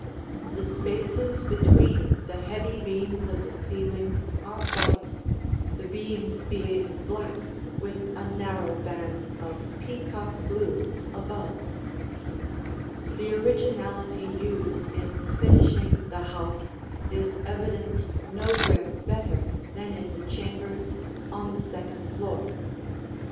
The spaces between the heavy beams of the ceiling are white, the beams being black with a narrow band of peacock blue above. [Illustration: Two of the Chambers] The originality used in finishing the house is evidenced nowhere better than in the chambers, on the second floor.